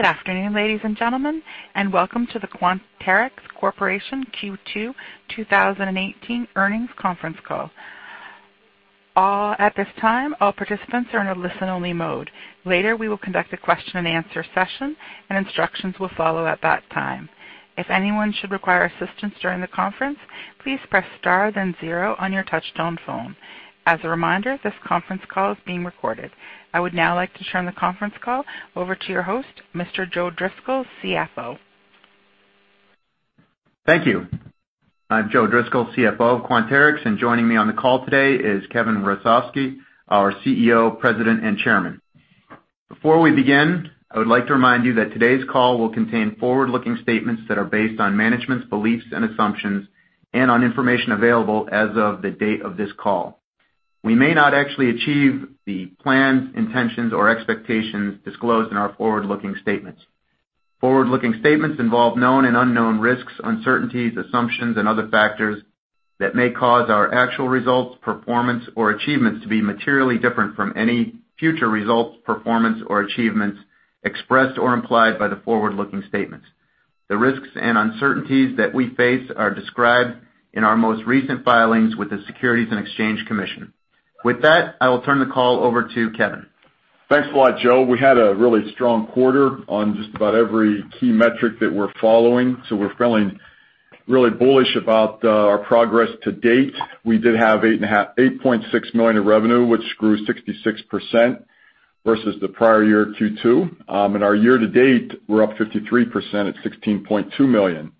Good afternoon, ladies and gentlemen, and welcome to the Quanterix Corporation Q2 2018 earnings conference call. At this time, all participants are in a listen-only mode. Later, we will conduct a question and answer session, and instructions will follow at that time. If anyone should require assistance during the conference, please press star then zero on your touchtone phone. As a reminder, this conference call is being recorded. I would now like to turn the conference call over to your host, Mr. Joseph Driscoll, CFO. Thank you. I'm Joseph Driscoll, CFO of Quanterix, and joining me on the call today is Kevin Hrusovsky, our CEO, President, and Chairman. Before we begin, I would like to remind you that today's call will contain forward-looking statements that are based on management's beliefs and assumptions and on information available as of the date of this call. We may not actually achieve the plans, intentions, or expectations disclosed in our forward-looking statements. Forward-looking statements involve known and unknown risks, uncertainties, assumptions, and other factors that may cause our actual results, performance, or achievements to be materially different from any future results, performance, or achievements expressed or implied by the forward-looking statements. The risks and uncertainties that we face are described in our most recent filings with the Securities and Exchange Commission. With that, I will turn the call over to Kevin. Thanks a lot, Joe. We had a really strong quarter on just about every key metric that we're following. We're feeling really bullish about our progress to date. We did have $8.6 million of revenue, which grew 66% versus the prior year Q2. Our year to date, we're up 53% at $16.2 million.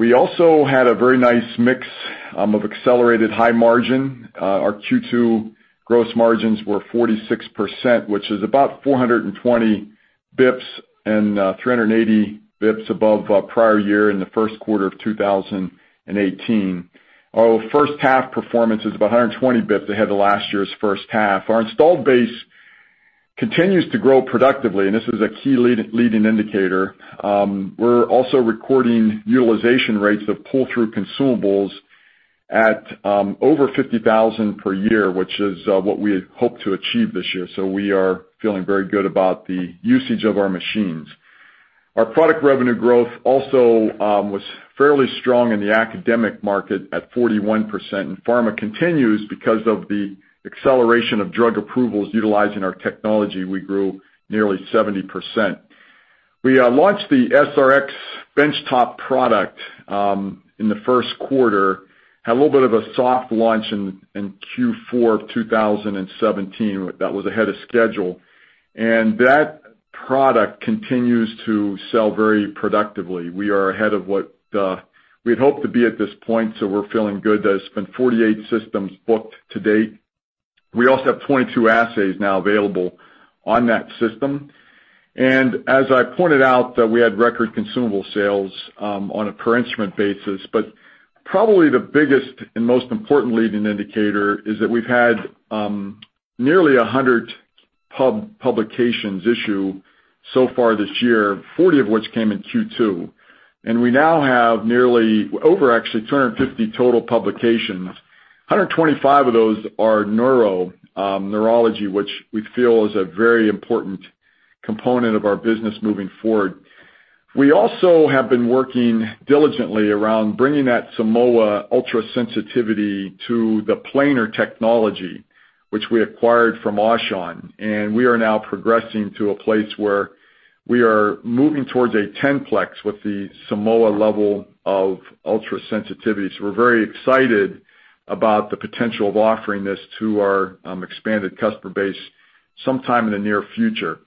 We also had a very nice mix of accelerated high margin. Our Q2 gross margins were 46%, which is about 420 BPS and 380 BPS above prior year in the first quarter of 2018. Our first half performance is about 120 BPS ahead of last year's first half. Our installed base continues to grow productively. This is a key leading indicator. We're also recording utilization rates of pull-through consumables at over 50,000 per year, which is what we had hoped to achieve this year. We are feeling very good about the usage of our machines. Our product revenue growth also was fairly strong in the academic market at 41%. In pharma continues because of the acceleration of drug approvals utilizing our technology, we grew nearly 70%. We launched the SR-X bench top product, in the first quarter, had a little bit of a soft launch in Q4 of 2017. That was ahead of schedule. That product continues to sell very productively. We are ahead of what we had hoped to be at this point. We're feeling good. There's been 48 systems booked to date. We also have 22 assays now available on that system. As I pointed out, we had record consumable sales on a per instrument basis, but probably the biggest and most important leading indicator is that we've had nearly 100 publications issue so far this year, 40 of which came in Q2. We now have nearly, over actually, 250 total publications. 125 of those are neurology, which we feel is a very important component of our business moving forward. We also have been working diligently around bringing that Simoa ultra-sensitivity to the planar technology, which we acquired from Aushon, and we are now progressing to a place where we are moving towards a 10-plex with the Simoa level of ultra-sensitivity. We're very excited about the potential of offering this to our expanded customer base sometime in the near future.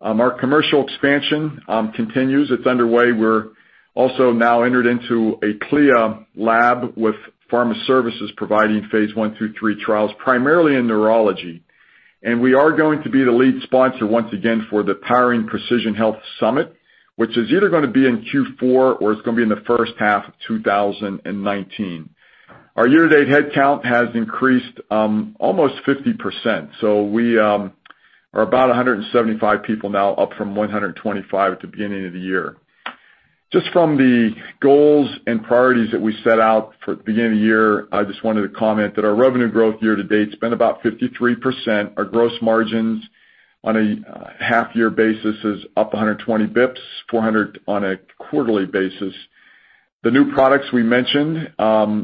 Our commercial expansion continues. It's underway. We're also now entered into a CLIA lab with pharma services providing phase I through III trials, primarily in neurology. We are going to be the lead sponsor once again for the Powering Precision Health Summit, which is either going to be in Q4 or it's going to be in the first half of 2019. Our year-to-date headcount has increased almost 50%. We are about 175 people now, up from 125 at the beginning of the year. Just from the goals and priorities that we set out for the beginning of the year, I just wanted to comment that our revenue growth year to date has been about 53%. Our gross margins on a half-year basis is up 120 BPS, 400 on a quarterly basis. The new products we mentioned,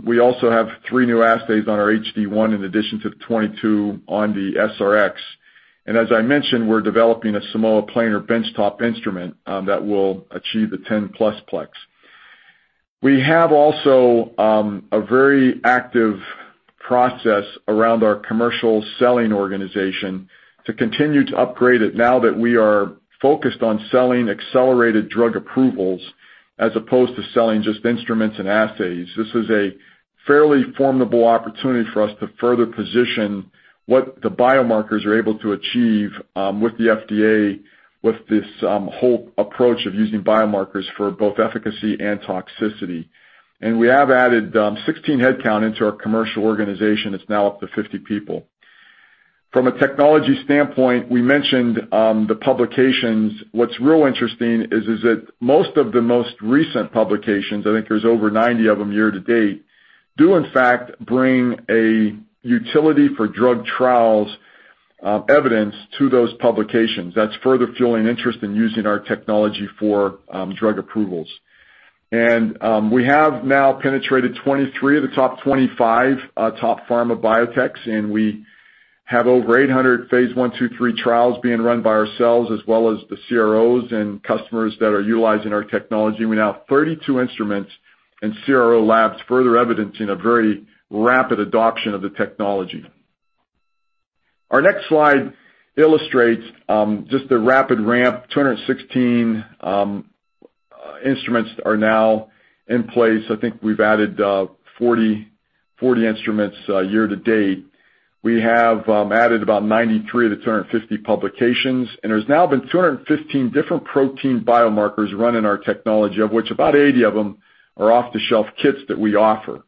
we also have three new assays on our HD-1 in addition to the 22 on the SR-X. As I mentioned, we're developing a Simoa planar bench top instrument that will achieve the 10-plus plex. We have also a very active process around our commercial selling organization to continue to upgrade it now that we are focused on selling accelerated drug approvals as opposed to selling just instruments and assays. This is a fairly formidable opportunity for us to further position what the biomarkers are able to achieve with the FDA with this whole approach of using biomarkers for both efficacy and toxicity. We have added 16 headcount into our commercial organization. It's now up to 50 people. From a technology standpoint, we mentioned the publications. What's real interesting is that most of the most recent publications, I think there's over 90 of them year to date, do in fact bring a utility for drug trials Evidence to those publications. That's further fueling interest in using our technology for drug approvals. We have now penetrated 23 of the top 25 top pharma biotechs, and we have over 800 phase I, II, III trials being run by ourselves as well as the CROs and customers that are utilizing our technology. We now have 32 instruments in CRO labs, further evidencing a very rapid adoption of the technology. Our next slide illustrates just the rapid ramp. 216 instruments are now in place. I think we've added 40 instruments year to date. We have added about 93 of the 250 publications, and there's now been 215 different protein biomarkers run in our technology, of which about 80 of them are off-the-shelf kits that we offer.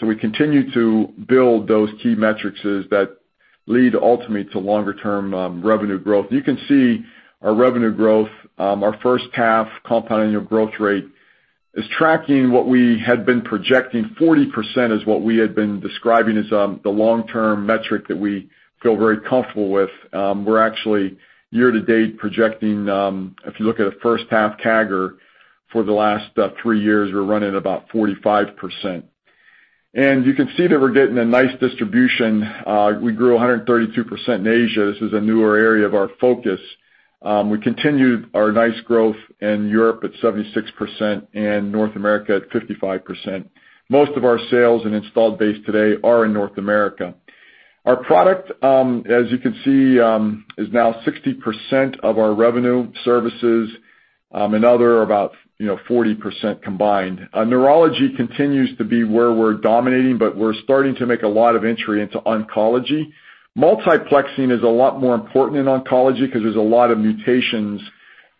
We continue to build those key metrics that lead ultimately to longer-term revenue growth. You can see our revenue growth, our first half compound annual growth rate is tracking what we had been projecting. 40% is what we had been describing as the long-term metric that we feel very comfortable with. We're actually year to date projecting, if you look at a first half CAGR for the last three years, we're running about 45%. You can see that we're getting a nice distribution. We grew 132% in Asia. This is a newer area of our focus. We continued our nice growth in Europe at 76% and North America at 55%. Most of our sales and installed base today are in North America. Our product, as you can see, is now 60% of our revenue services, and other, about 40% combined. Neurology continues to be where we're dominating, but we're starting to make a lot of entry into oncology. Multiplexing is a lot more important in oncology because there's a lot of mutations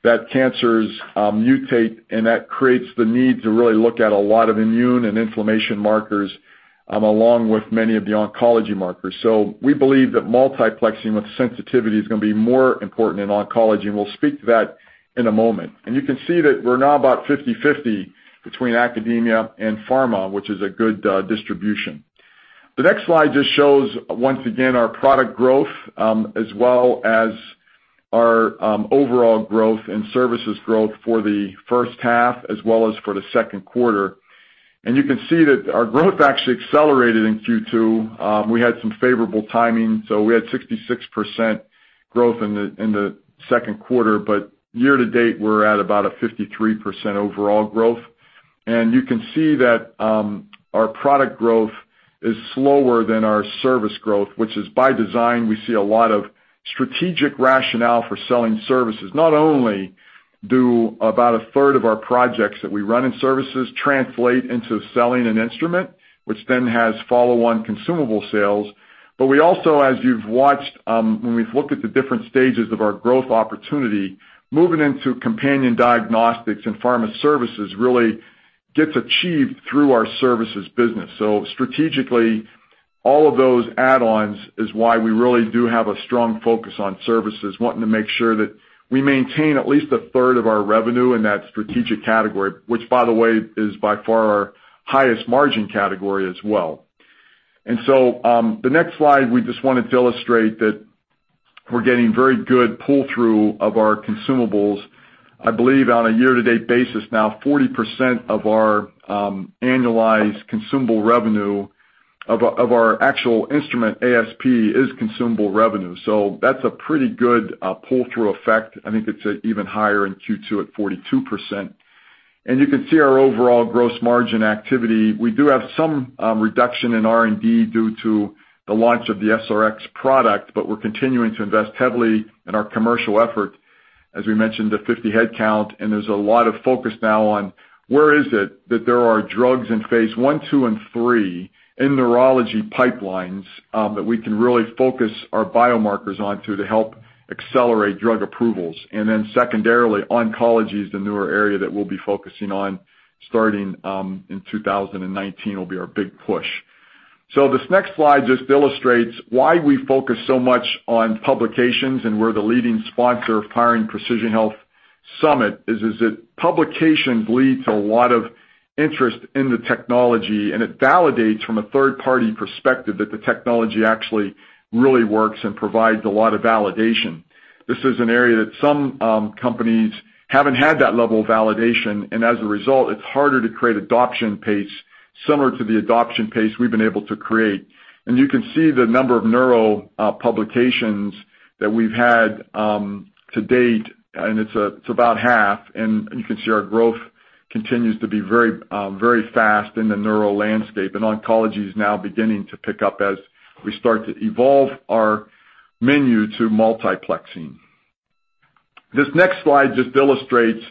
that cancers mutate, and that creates the need to really look at a lot of immune and inflammation markers along with many of the oncology markers. We believe that multiplexing with sensitivity is going to be more important in oncology, and we'll speak to that in a moment. You can see that we're now about 50/50 between academia and pharma, which is a good distribution. The next slide just shows, once again, our product growth, as well as our overall growth and services growth for the first half as well as for the second quarter. You can see that our growth actually accelerated in Q2. We had some favorable timing. We had 66% growth in the second quarter, but year to date, we're at about a 53% overall growth. You can see that our product growth is slower than our service growth, which is by design. We see a lot of strategic rationale for selling services. Not only do about a third of our projects that we run in services translate into selling an instrument, which then has follow-on consumable sales, but we also, as you've watched when we've looked at the different stages of our growth opportunity, moving into companion diagnostics and pharma services really gets achieved through our services business. Strategically, all of those add-ons is why we really do have a strong focus on services, wanting to make sure that we maintain at least a third of our revenue in that strategic category, which, by the way, is by far our highest margin category as well. The next slide, we just wanted to illustrate that we're getting very good pull-through of our consumables. I believe on a year-to-date basis now, 40% of our annualized consumable revenue of our actual instrument ASP is consumable revenue. That's a pretty good pull-through effect. I think it's even higher in Q2 at 42%. You can see our overall gross margin activity. We do have some reduction in R&D due to the launch of the SR-X product, but we're continuing to invest heavily in our commercial effort, as we mentioned, the 50 headcount. There's a lot of focus now on where is it that there are drugs in Phase I, II, and III in neurology pipelines that we can really focus our biomarkers on to help accelerate drug approvals. Secondarily, oncology is the newer area that we'll be focusing on starting in 2019 will be our big push. This next slide just illustrates why we focus so much on publications and we're the leading sponsor of Powering Precision Health Summit is that publications lead to a lot of interest in the technology, and it validates from a third-party perspective that the technology actually really works and provides a lot of validation. This is an area that some companies haven't had that level of validation, and as a result, it's harder to create adoption pace similar to the adoption pace we've been able to create. You can see the number of neuro publications that we've had to date, and it's about half. You can see our growth continues to be very fast in the neuro landscape, and oncology is now beginning to pick up as we start to evolve our menu to multiplexing. This next slide just illustrates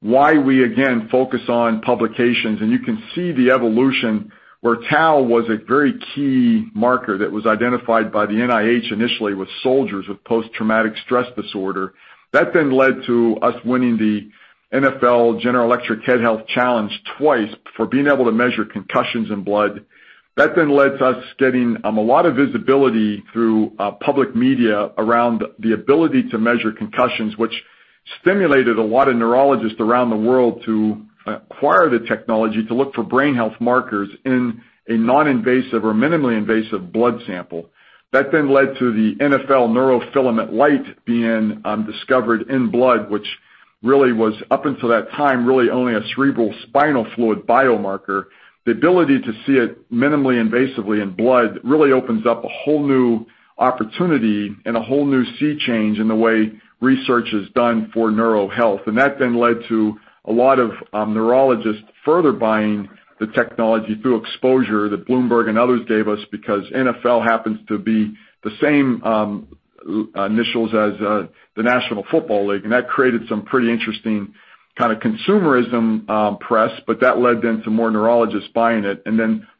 why we, again, focus on publications. You can see the evolution where tau was a very key marker that was identified by the NIH initially with soldiers with post-traumatic stress disorder. That then led to us winning the NFL General Electric Head Health Challenge twice for being able to measure concussions in blood. That then led to us getting a lot of visibility through public media around the ability to measure concussions, which stimulated a lot of neurologists around the world to acquire the technology to look for brain health markers in a non-invasive or minimally invasive blood sample. That then led to the NfL neurofilament light being discovered in blood, which really was, up until that time, really only a cerebral spinal fluid biomarker. The ability to see it minimally invasively in blood really opens up a whole new opportunity and a whole new sea change in the way research is done for neurohealth. That then led to a lot of neurologists further buying the technology through exposure that Bloomberg and others gave us, because NfL happens to be the same initials as the National Football League. That created some pretty interesting kind of consumerism press, but that led then to more neurologists buying it.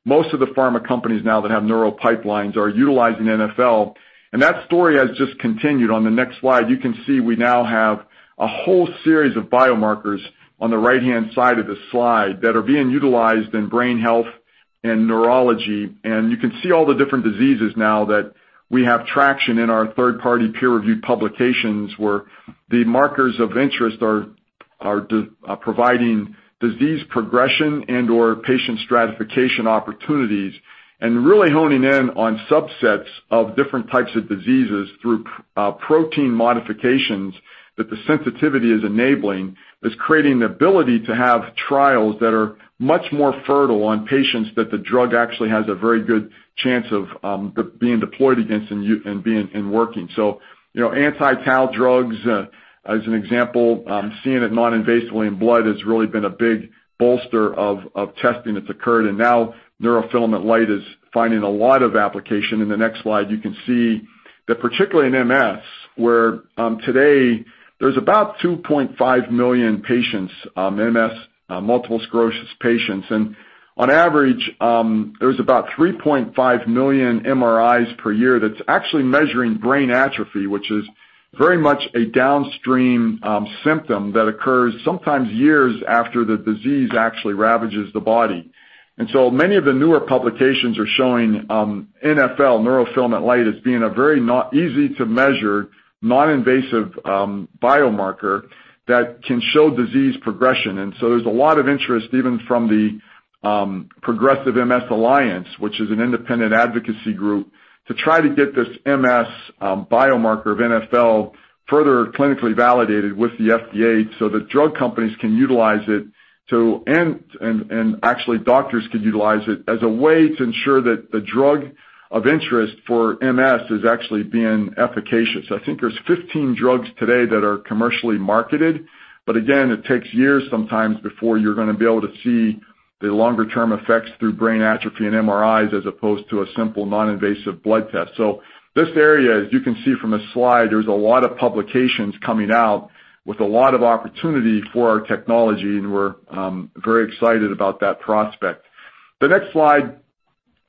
Most of the pharma companies now that have neuro pipelines are utilizing NfL, and that story has just continued. On the next slide, you can see we now have a whole series of biomarkers on the right-hand side of the slide that are being utilized in brain health and neurology. You can see all the different diseases now that we have traction in our third-party peer-reviewed publications, where the markers of interest are providing disease progression and/or patient stratification opportunities. Really honing in on subsets of different types of diseases through protein modifications that the sensitivity is enabling, is creating the ability to have trials that are much more fertile on patients that the drug actually has a very good chance of being deployed against and working. Anti-tau drugs, as an example, seeing it non-invasively in blood has really been a big bolster of testing that's occurred. Now neurofilament light is finding a lot of application. In the next slide, you can see that particularly in MS, where today there's about 2.5 million patients, MS, multiple sclerosis patients. On average, there's about 3.5 million MRIs per year that's actually measuring brain atrophy, which is very much a downstream symptom that occurs sometimes years after the disease actually ravages the body. Many of the newer publications are showing NfL, neurofilament light, as being a very easy-to-measure, non-invasive biomarker that can show disease progression. There's a lot of interest, even from the Progressive MS Alliance, which is an independent advocacy group, to try to get this MS biomarker of NfL further clinically validated with the FDA so that drug companies can utilize it, and actually doctors could utilize it as a way to ensure that the drug of interest for MS is actually being efficacious. I think there's 15 drugs today that are commercially marketed. Again, it takes years sometimes before you're going to be able to see the longer-term effects through brain atrophy and MRIs as opposed to a simple non-invasive blood test. This area, as you can see from the slide, there's a lot of publications coming out with a lot of opportunity for our technology, and we're very excited about that prospect. The next slide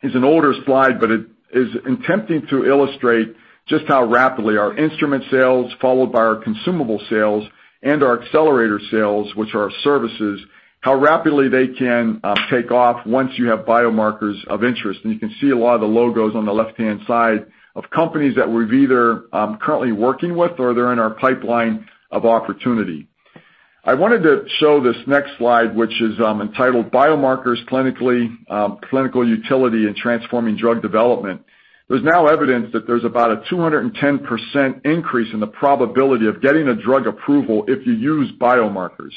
is an older slide, but it is attempting to illustrate just how rapidly our instrument sales, followed by our consumable sales and our accelerator sales, which are our services, how rapidly they can take off once you have biomarkers of interest. You can see a lot of the logos on the left-hand side of companies that we've either currently working with or they're in our pipeline of opportunity. I wanted to show this next slide, which is entitled Biomarkers Clinical Utility in Transforming Drug Development. There's now evidence that there's about a 210% increase in the probability of getting a drug approval if you use biomarkers.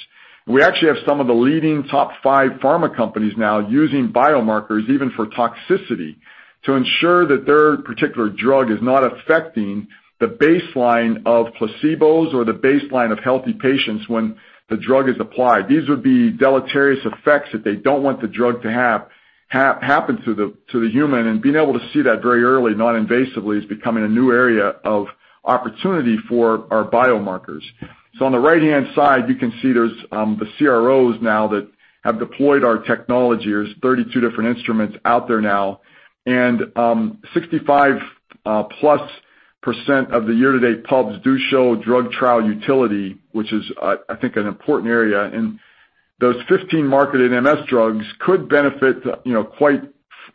We actually have some of the leading top 5 pharma companies now using biomarkers, even for toxicity, to ensure that their particular drug is not affecting the baseline of placebos or the baseline of healthy patients when the drug is applied. These would be deleterious effects that they don't want the drug to happen to the human. Being able to see that very early non-invasively is becoming a new area of opportunity for our biomarkers. On the right-hand side, you can see there's the CROs now that have deployed our technology. There's 32 different instruments out there now. 65% plus of the year-to-date pubs do show drug trial utility, which is, I think, an important area. Those 15 marketed MS drugs could benefit quite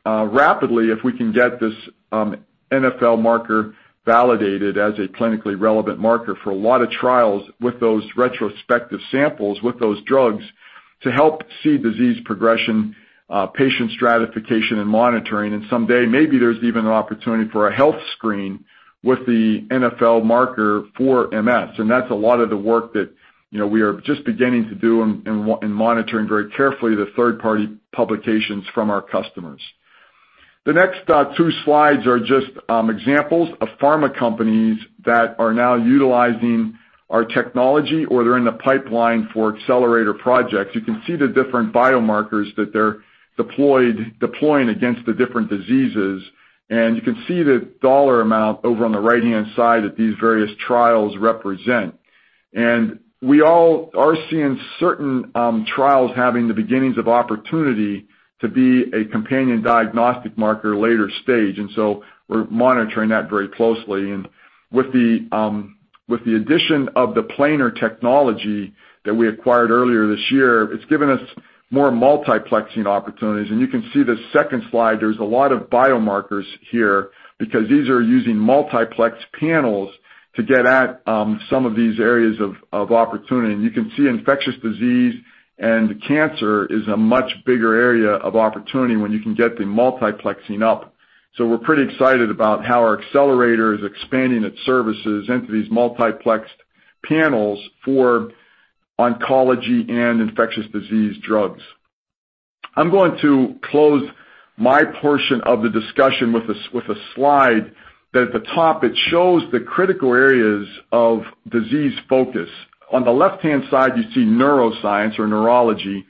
rapidly if we can get this NfL marker validated as a clinically relevant marker for a lot of trials with those retrospective samples, with those drugs to help see disease progression, patient stratification, and monitoring. Someday, maybe there's even an opportunity for a health screen with the NfL marker for MS. That's a lot of the work that we are just beginning to do and monitoring very carefully the third-party publications from our customers. The next two slides are just examples of pharma companies that are now utilizing our technology, or they're in the pipeline for Accelerator projects. You can see the different biomarkers that they're deploying against the different diseases, and you can see the dollar amount over on the right-hand side that these various trials represent. We all are seeing certain trials having the beginnings of opportunity to be a companion diagnostic marker later stage. We're monitoring that very closely. With the addition of the planar technology that we acquired earlier this year, it's given us more multiplexing opportunities. You can see the second slide, there's a lot of biomarkers here because these are using multiplex panels to get at some of these areas of opportunity. You can see infectious disease and cancer is a much bigger area of opportunity when you can get the multiplexing up. We're pretty excited about how our Accelerator is expanding its services into these multiplexed panels for oncology and infectious disease drugs. I'm going to close my portion of the discussion with a slide that at the top, it shows the critical areas of disease focus. On the left-hand side, you see neuroscience or neurology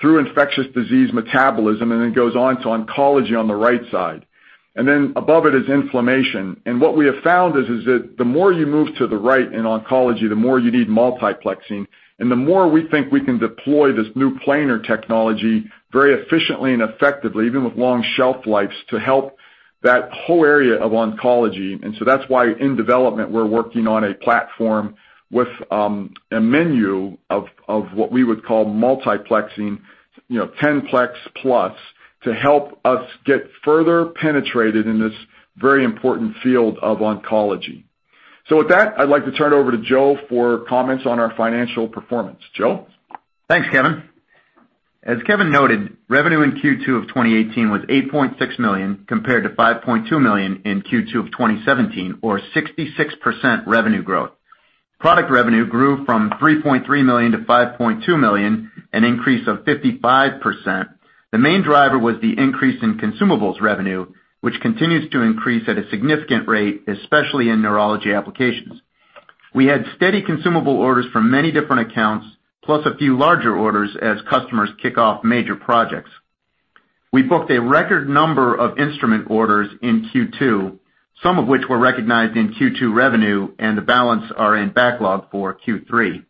through infectious disease metabolism, then it goes on to oncology on the right side. Then above it is inflammation. What we have found is that the more you move to the right in oncology, the more you need multiplexing, and the more we think we can deploy this new planar technology very efficiently and effectively, even with long shelf lives, to help that whole area of oncology. That's why in development, we're working on a platform with, a menu of what we would call multiplexing, 10-plex plus, to help us get further penetrated in this very important field of oncology. With that, I'd like to turn it over to Joe for comments on our financial performance. Joe? Thanks, Kevin. As Kevin noted, revenue in Q2 of 2018 was $8.6 million, compared to $5.2 million in Q2 of 2017, or 66% revenue growth. Product revenue grew from $3.3 million to $5.2 million, an increase of 55%. The main driver was the increase in consumables revenue, which continues to increase at a significant rate, especially in neurology applications. We had steady consumable orders from many different accounts, plus a few larger orders as customers kick off major projects. We booked a record number of instrument orders in Q2, some of which were recognized in Q2 revenue, and the balance are in backlog for Q3.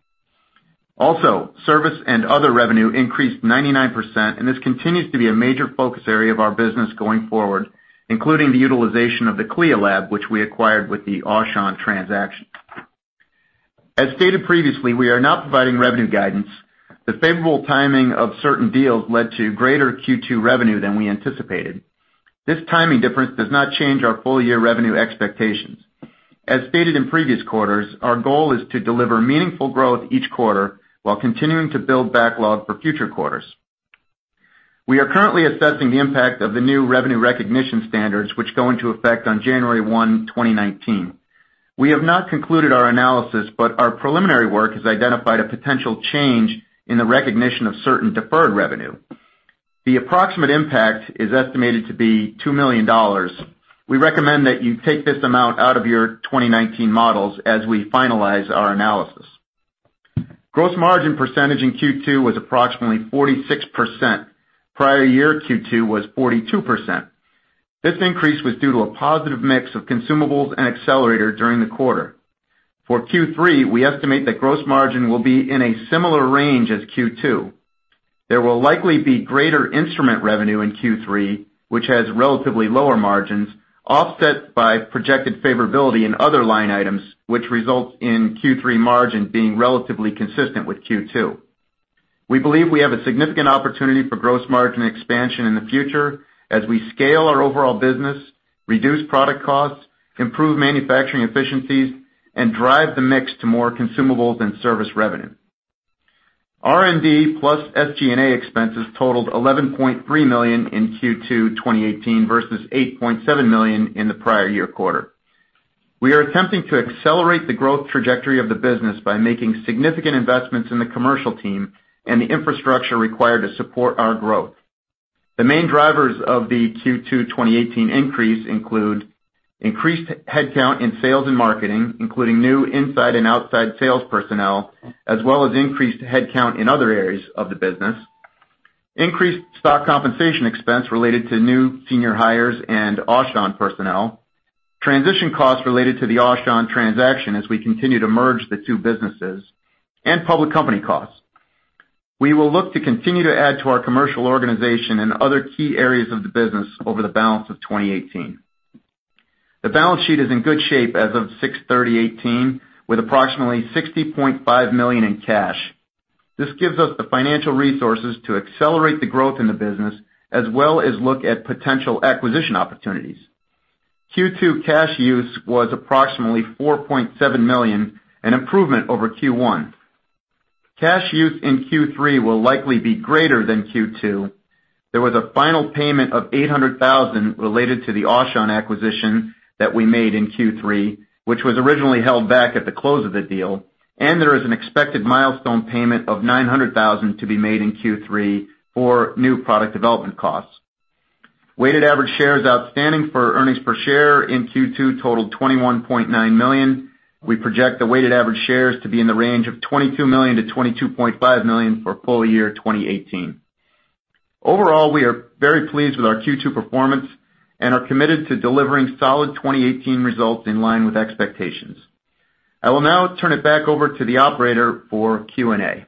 Service and other revenue increased 99%, and this continues to be a major focus area of our business going forward, including the utilization of the CLIA lab, which we acquired with the Aushon transaction. As stated previously, we are not providing revenue guidance. The favorable timing of certain deals led to greater Q2 revenue than we anticipated. This timing difference does not change our full-year revenue expectations. As stated in previous quarters, our goal is to deliver meaningful growth each quarter while continuing to build backlog for future quarters. We are currently assessing the impact of the new revenue recognition standards, which go into effect on January 1, 2019. We have not concluded our analysis, but our preliminary work has identified a potential change in the recognition of certain deferred revenue. The approximate impact is estimated to be $2 million. We recommend that you take this amount out of your 2019 models as we finalize our analysis. Gross margin % in Q2 was approximately 46%. Prior year Q2 was 42%. This increase was due to a positive mix of consumables and Accelerator during the quarter. For Q3, we estimate that gross margin will be in a similar range as Q2. There will likely be greater instrument revenue in Q3, which has relatively lower margins, offset by projected favorability in other line items, which results in Q3 margin being relatively consistent with Q2. We believe we have a significant opportunity for gross margin expansion in the future as we scale our overall business, reduce product costs, improve manufacturing efficiencies, and drive the mix to more consumables and service revenue. R&D plus SG&A expenses totaled $11.3 million in Q2 2018 versus $8.7 million in the prior year quarter. We are attempting to accelerate the growth trajectory of the business by making significant investments in the commercial team and the infrastructure required to support our growth. The main drivers of the Q2 2018 increase include increased headcount in sales and marketing, including new inside and outside sales personnel, as well as increased headcount in other areas of the business, increased stock compensation expense related to new senior hires and Aushon personnel, transition costs related to the Aushon transaction as we continue to merge the two businesses, and public company costs. We will look to continue to add to our commercial organization in other key areas of the business over the balance of 2018. The balance sheet is in good shape as of 06/30/2018, with approximately $60.5 million in cash. This gives us the financial resources to accelerate the growth in the business, as well as look at potential acquisition opportunities. Q2 cash use was approximately $4.7 million, an improvement over Q1. Cash use in Q3 will likely be greater than Q2. There was a final payment of $800,000 related to the Aushon acquisition that we made in Q3, which was originally held back at the close of the deal, and there is an expected milestone payment of $900,000 to be made in Q3 for new product development costs. Weighted average shares outstanding for earnings per share in Q2 totaled 21.9 million. We project the weighted average shares to be in the range of 22 million to 22.5 million for full year 2018. Overall, we are very pleased with our Q2 performance and are committed to delivering solid 2018 results in line with expectations. I will now turn it back over to the operator for Q&A.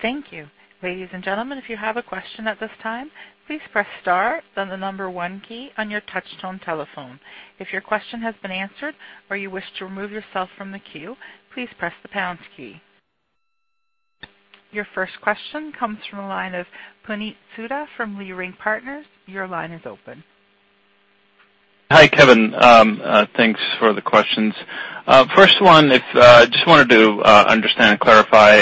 Thank you. Ladies and gentlemen, if you have a question at this time, please press star then the 1 key on your touch tone telephone. If your question has been answered or you wish to remove yourself from the queue, please press the pound key. Your first question comes from the line of Puneet Souda from Leerink Partners. Your line is open. Hi, Kevin. Thanks for the questions. First one, I just wanted to understand and clarify,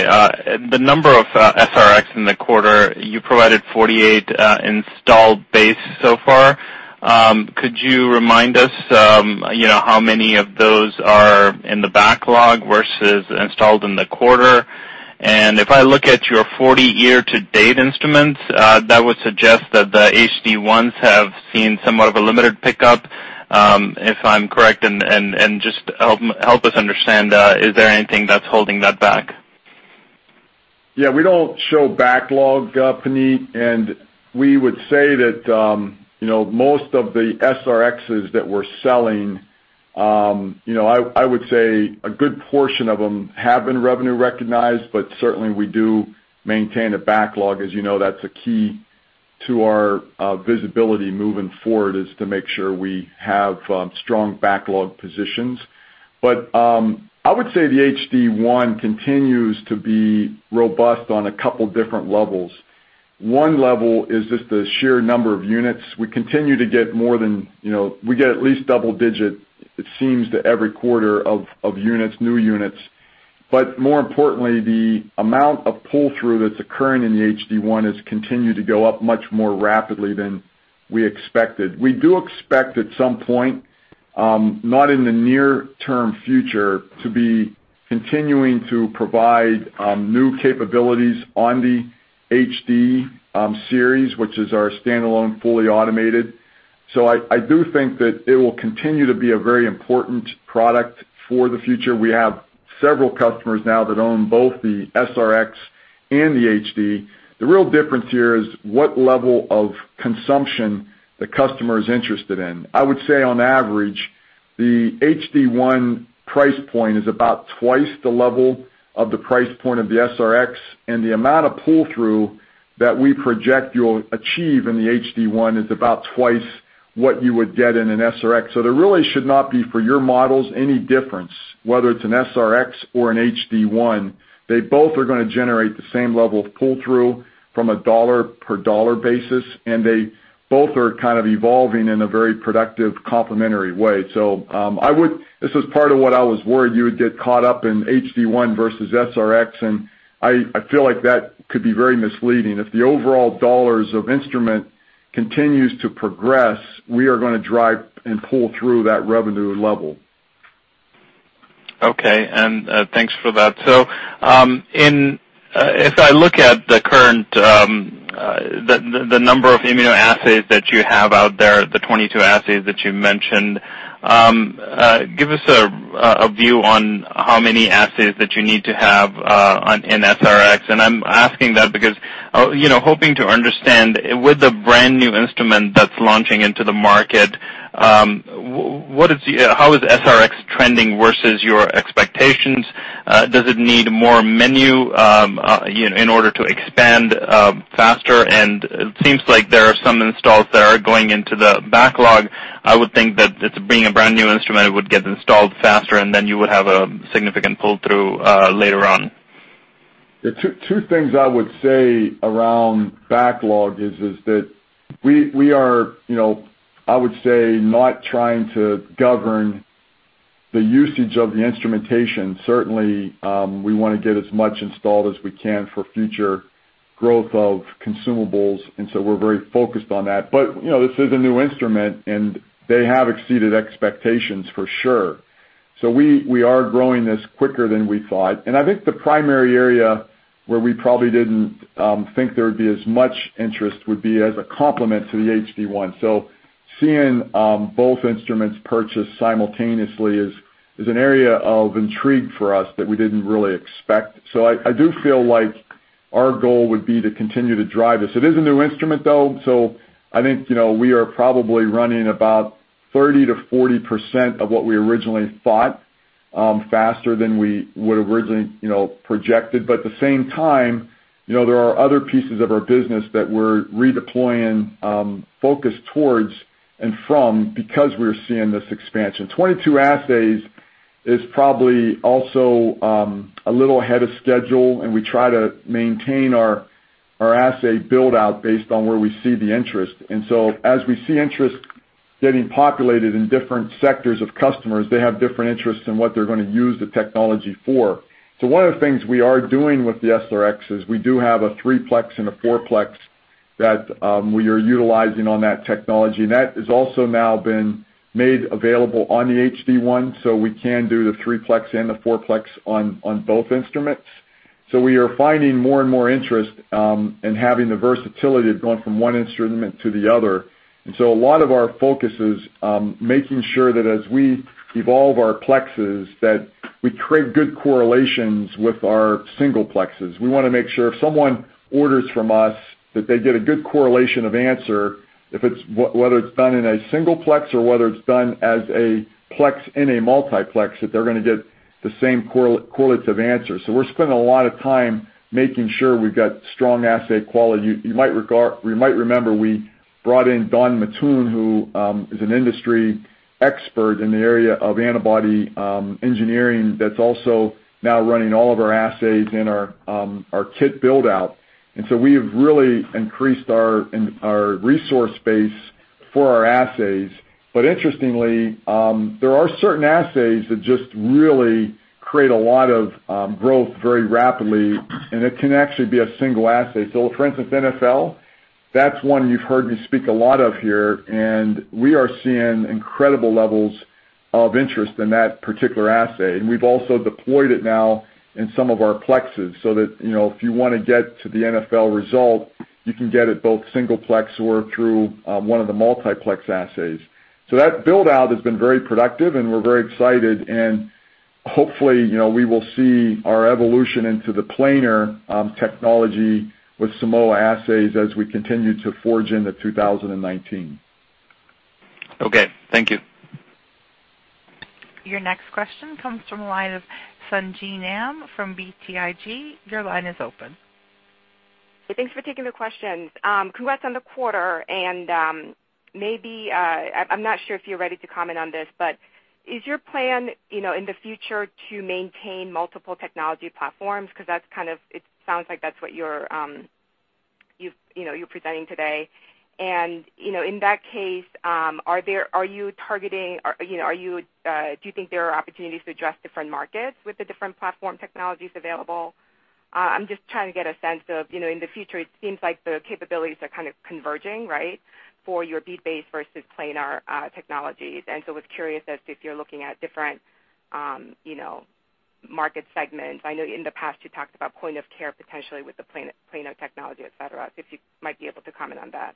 the number of SR-X in the quarter, you provided 48 installed base so far. Could you remind us how many of those are in the backlog versus installed in the quarter? If I look at your 40 year-to-date instruments, that would suggest that the HD-1s have seen somewhat of a limited pickup, if I'm correct. Just help us understand, is there anything that's holding that back? We don't show backlog, Puneet, we would say that most of the SR-Xs that we're selling, I would say a good portion of them have been revenue recognized, but certainly we do maintain a backlog. As you know, that's a key to our visibility moving forward, is to make sure we have strong backlog positions. I would say the HD-1 continues to be robust on a couple different levels. One level is just the sheer number of units. We continue to get at least double-digit, it seems, to every quarter of new units. More importantly, the amount of pull-through that's occurring in the HD-1 has continued to go up much more rapidly than we expected. We do expect at some point, not in the near-term future, to be continuing to provide new capabilities on the HD series, which is our standalone, fully automated. I do think that it will continue to be a very important product for the future. We have several customers now that own both the SR-X and the HD. The real difference here is what level of consumption the customer is interested in. I would say on average, the HD-1 price point is about twice the level of the price point of the SR-X, and the amount of pull-through that we project you'll achieve in the HD-1 is about twice what you would get in an SR-X. There really should not be, for your models, any difference, whether it's an SR-X or an HD-1. They both are going to generate the same level of pull-through from a dollar per dollar basis, they both are kind of evolving in a very productive, complementary way. This is part of what I was worried you would get caught up in HD-1 versus SR-X, and I feel like that could be very misleading. If the overall dollars of instrument continues to progress, we are going to drive and pull through that revenue level. Okay, and thanks for that. If I look at the current number of immunoassays that you have out there, the 22 assays that you mentioned, give us a view on how many assays that you need to have in SR-X. I'm asking that because, hoping to understand with a brand new instrument that's launching into the market, how is SR-X trending versus your expectations? Does it need more menu in order to expand faster? It seems like there are some installs that are going into the backlog. I would think that it being a brand new instrument, it would get installed faster, and then you would have a significant pull-through later on. The two things I would say around backlog is that we are not trying to govern the usage of the instrumentation. Certainly, we want to get as much installed as we can for future growth of consumables, we're very focused on that. This is a new instrument, and they have exceeded expectations for sure. We are growing this quicker than we thought, and I think the primary area where we probably didn't think there would be as much interest would be as a complement to the HD-1. Seeing both instruments purchased simultaneously is an area of intrigue for us that we didn't really expect. I do feel like our goal would be to continue to drive this. It is a new instrument, though, I think we are probably running about 30%-40% of what we originally thought, faster than we would have originally projected. At the same time, there are other pieces of our business that we're redeploying focus towards and from, because we're seeing this expansion. 22 assays is probably also a little ahead of schedule, we try to maintain our assay build out based on where we see the interest. As we see interest getting populated in different sectors of customers, they have different interests in what they're going to use the technology for. One of the things we are doing with the SR-X is we do have a three-plex and a four-plex that we are utilizing on that technology, and that has also now been made available on the HD-1, we can do the three-plex and the four-plex on both instruments. We are finding more and more interest in having the versatility of going from one instrument to the other. A lot of our focus is making sure that as we evolve our plexes, that we create good correlations with our single-plexes. We want to make sure if someone orders from us, that they get a good correlation of answer, whether it's done in a single-plex or whether it's done as a plex in a multiplex, that they're going to get the same correlative answer. We're spending a lot of time making sure we've got strong assay quality. You might remember we brought in Dawn Mattoon, who is an industry expert in the area of antibody engineering that's also now running all of our assays and our kit build-out. We have really increased our resource base for our assays. Interestingly, there are certain assays that just really create a lot of growth very rapidly, and it can actually be a single assay. For instance, NfL, that's one you've heard me speak a lot of here, and we are seeing incredible levels of interest in that particular assay. We've also deployed it now in some of our plexes so that, if you want to get to the NfL result, you can get it both single-plex or through one of the multiplex assays. That build-out has been very productive, and we're very excited, and hopefully, we will see our evolution into the planar technology with Simoa assays as we continue to forge into 2019. Okay. Thank you. Your next question comes from the line of Sung Ji Nam from BTIG. Your line is open. Thanks for taking the questions. Congrats on the quarter, and I'm not sure if you're ready to comment on this, but is your plan, in the future, to maintain multiple technology platforms? Because it sounds like that's what you're presenting today. In that case, do you think there are opportunities to address different markets with the different platform technologies available? I'm just trying to get a sense of, in the future, it seems like the capabilities are kind of converging, right, for your bead-based versus planar technologies. I was curious as to if you're looking at different market segments. I know in the past you talked about point of care potentially with the planar technology, et cetera, if you might be able to comment on that.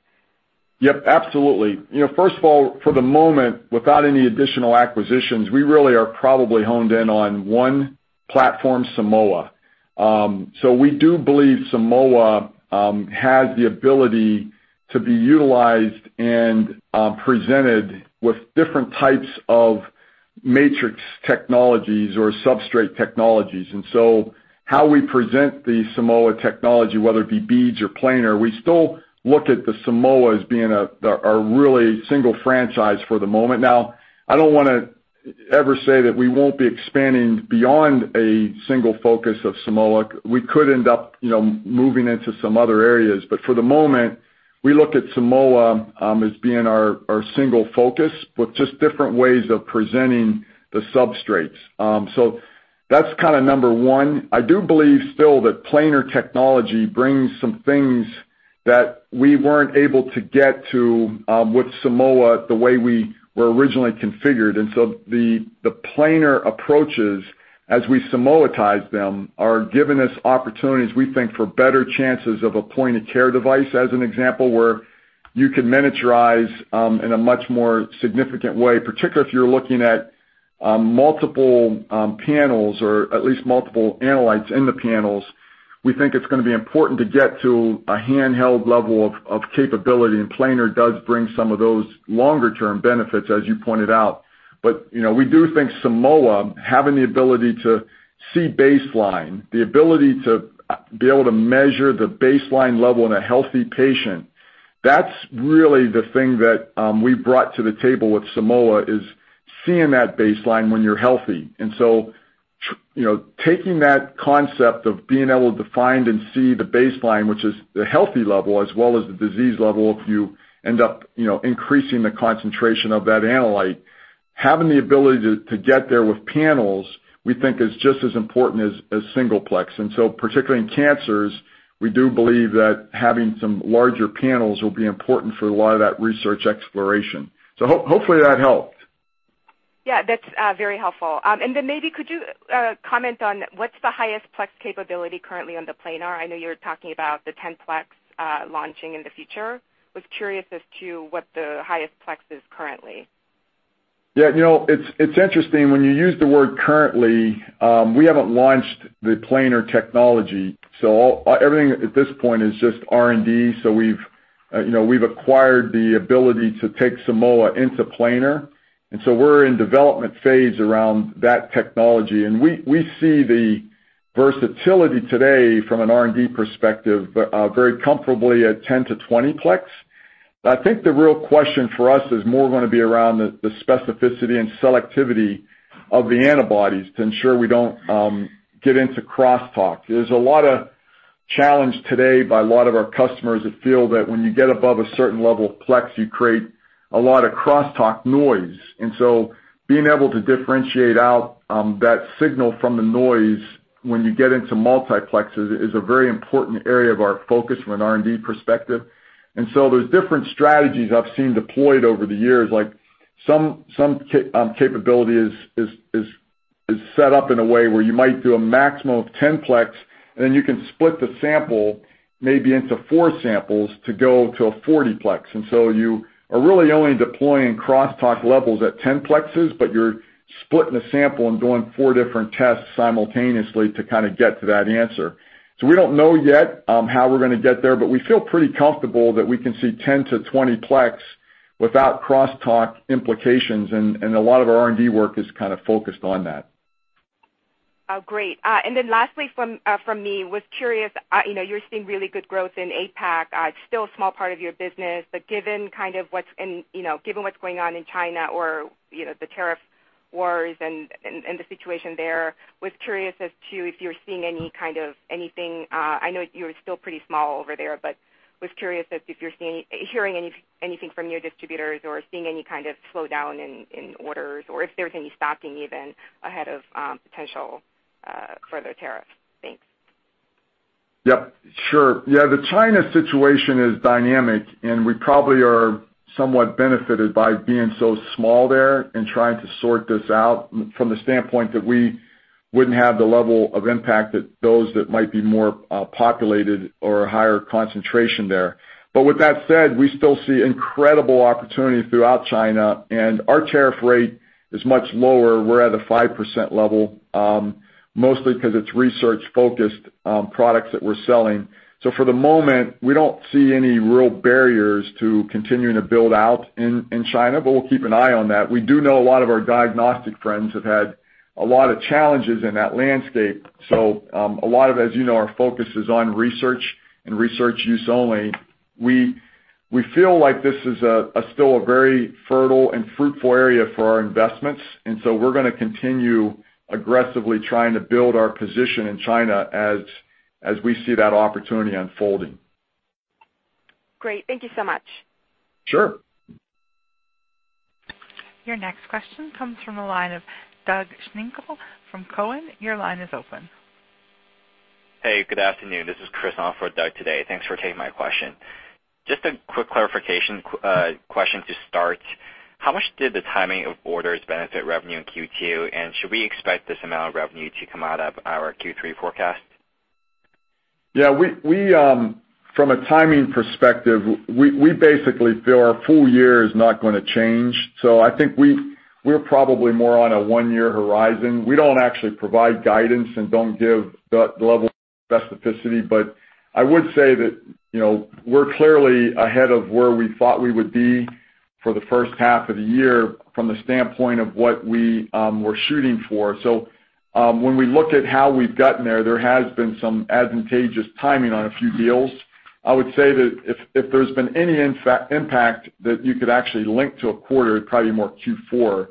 Yep, absolutely. First of all, for the moment, without any additional acquisitions, we really are probably honed in on one platform, Simoa. We do believe Simoa has the ability to be utilized and presented with different types of matrix technologies or substrate technologies. How we present the Simoa technology, whether it be beads or planar, we still look at the Simoa as being our really single franchise for the moment. Now, I don't want to ever say that we won't be expanding beyond a single focus of Simoa. We could end up moving into some other areas. For the moment, we look at Simoa as being our single focus, with just different ways of presenting the substrates. That's kind of number one. I do believe still that planar technology brings some things that we weren't able to get to with Simoa the way we were originally configured. The planar approaches, as we Simoatize them, are giving us opportunities, we think, for better chances of a point-of-care device, as an example, where you can miniaturize in a much more significant way, particularly if you're looking at multiple panels or at least multiple analytes in the panels. We think it's going to be important to get to a handheld level of capability, and planar does bring some of those longer-term benefits, as you pointed out. We do think Simoa, having the ability to see baseline, the ability to be able to measure the baseline level in a healthy patient, that's really the thing that we've brought to the table with Simoa, is seeing that baseline when you're healthy. Taking that concept of being able to find and see the baseline, which is the healthy level as well as the disease level, if you end up increasing the concentration of that analyte, having the ability to get there with panels, we think is just as important as single-plex. Particularly in cancers, we do believe that having some larger panels will be important for a lot of that research exploration. Hopefully that helped. That's very helpful. Maybe could you comment on what's the highest plex capability currently on the planar? I know you're talking about the 10-plex launching in the future. Was curious as to what the highest plex is currently. It's interesting when you use the word currently. We haven't launched the planar technology, everything at this point is just R&D. We've acquired the ability to take Simoa into planar, we're in development phase around that technology, and we see the versatility today from an R&D perspective, very comfortably at 10 to 20 plex. I think the real question for us is more going to be around the specificity and selectivity of the antibodies to ensure we don't get into crosstalk. There's a lot of challenge today by a lot of our customers that feel that when you get above a certain level of plex, you create a lot of crosstalk noise. Being able to differentiate out that signal from the noise when you get into multiplexes is a very important area of our focus from an R&D perspective. There's different strategies I've seen deployed over the years, like some capability is set up in a way where you might do a maximum of 10 plex, then you can split the sample maybe into four samples to go to a 40 plex. You are really only deploying crosstalk levels at 10 plexes, but you're splitting the sample and doing four different tests simultaneously to kind of get to that answer. We don't know yet how we're going to get there, but we feel pretty comfortable that we can see 10 to 20 plex without crosstalk implications, and a lot of our R&D work is kind of focused on that. Oh, great. Lastly from me, I was curious, you're seeing really good growth in APAC. It's still a small part of your business, but given what's going on in China or the tariff wars and the situation there, I was curious as to if you're seeing any kind of anything. I know you're still pretty small over there, but I was curious if you're hearing anything from your distributors or seeing any kind of slowdown in orders or if there's any stocking even ahead of potential further tariffs. Thanks. Yep. Sure. The China situation is dynamic and we probably are somewhat benefited by being so small there and trying to sort this out from the standpoint that we wouldn't have the level of impact that those that might be more populated or higher concentration there. With that said, we still see incredible opportunity throughout China and our tariff rate is much lower. We're at a 5% level, mostly because it's research-focused products that we're selling. For the moment, we don't see any real barriers to continuing to build out in China, but we'll keep an eye on that. We do know a lot of our diagnostic friends have had a lot of challenges in that landscape. A lot of, as you know, our focus is on research and research use only. We feel like this is still a very fertile and fruitful area for our investments, and so we're going to continue aggressively trying to build our position in China as we see that opportunity unfolding. Great. Thank you so much. Sure. Your next question comes from the line of Doug Schenkel from Cowen. Your line is open. Hey, good afternoon. This is Chris on for Doug today. Thanks for taking my question. Just a quick clarification question to start. How much did the timing of orders benefit revenue in Q2, and should we expect this amount of revenue to come out of our Q3 forecast? Yeah. From a timing perspective, we basically feel our full year is not going to change. I think we're probably more on a one-year horizon. We don't actually provide guidance and don't give that level of specificity, but I would say that we're clearly ahead of where we thought we would be for the first half of the year from the standpoint of what we were shooting for. When we look at how we've gotten there has been some advantageous timing on a few deals. I would say that if there's been any impact that you could actually link to a quarter, it'd probably be more Q4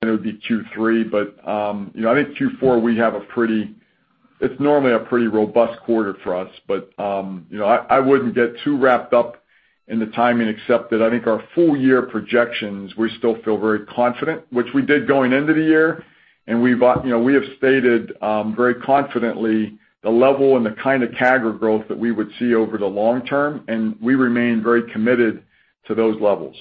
than it would be Q3. I think Q4, it's normally a pretty robust quarter for us. I wouldn't get too wrapped up in the timing, except that I think our full-year projections, we still feel very confident, which we did going into the year. We have stated very confidently the level and the kind of CAGR growth that we would see over the long term, and we remain very committed to those levels.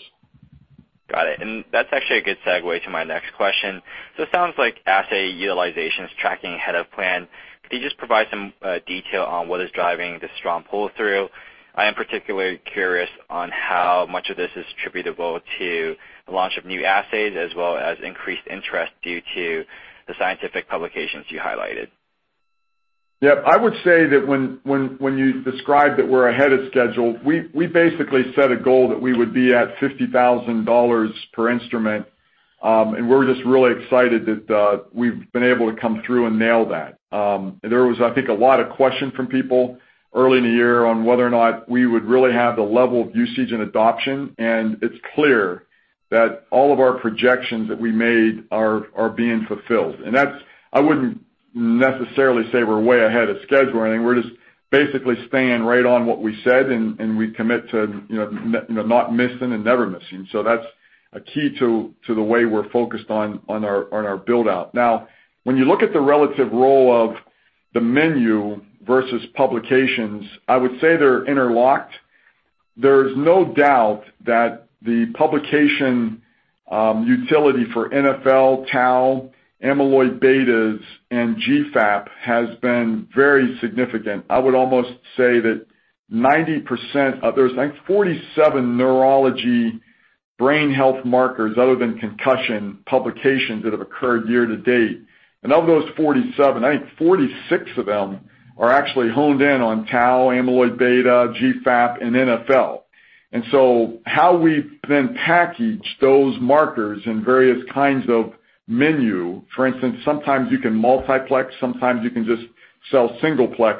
Got it. That's actually a good segue to my next question. It sounds like assay utilization is tracking ahead of plan. Could you just provide some detail on what is driving the strong pull-through? I am particularly curious on how much of this is attributable to the launch of new assays as well as increased interest due to the scientific publications you highlighted. Yep. I would say that when you describe that we're ahead of schedule, we basically set a goal that we would be at $50,000 per instrument, and we're just really excited that we've been able to come through and nail that. There was, I think, a lot of question from people early in the year on whether or not we would really have the level of usage and adoption, and it's clear that all of our projections that we made are being fulfilled. I wouldn't necessarily say we're way ahead of schedule or anything. We're just basically staying right on what we said and we commit to not missing and never missing. That's a key to the way we're focused on our build-out. When you look at the relative role of the menu versus publications, I would say they're interlocked. There's no doubt that the publication utility for NfL, tau, amyloid betas, and GFAP has been very significant. I would almost say that 90% of those, I think 47 neurology brain health markers other than concussion publications that have occurred year to date. Of those 47, I think 46 of them are actually honed in on tau, amyloid beta, GFAP, and NfL. How we then package those markers in various kinds of menu, for instance, sometimes you can multiplex, sometimes you can just sell singleplex.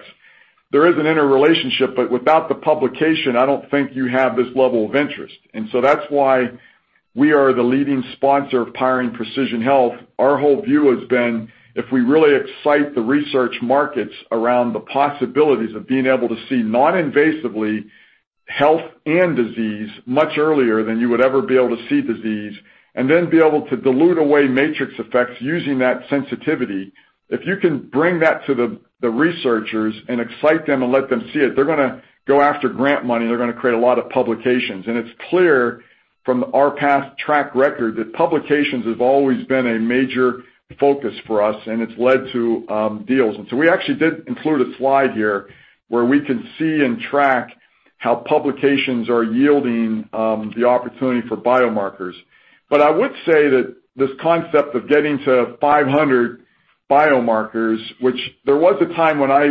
There is an interrelationship, but without the publication, I don't think you have this level of interest. That's why we are the leading sponsor of Powering Precision Health. Our whole view has been, if we really excite the research markets around the possibilities of being able to see non-invasively health and disease much earlier than you would ever be able to see disease, then be able to dilute away matrix effects using that sensitivity. If you can bring that to the researchers and excite them and let them see it, they're going to go after grant money, they're going to create a lot of publications. It's clear from our past track record that publications have always been a major focus for us, and it's led to deals. We actually did include a slide here where we can see and track how publications are yielding the opportunity for biomarkers. I would say that this concept of getting to 500 biomarkers, which there was a time when I